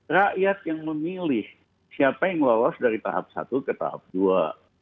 rakyat yang memilih siapa yang lolos dari tahap satu ke tahap dua